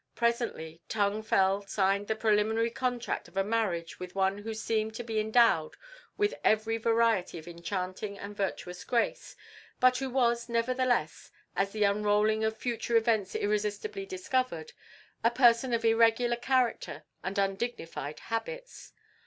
Presently Tung Fel signed the preliminary contract of a marriage with one who seemed to be endowed with every variety of enchanting and virtuous grace, but who was, nevertheless, as the unrolling of future events irresistibly discovered, a person of irregular character and undignified habits.